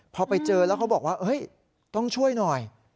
พอไปเจอแล้วเขาบอกว่าต้องช่วยหน่อย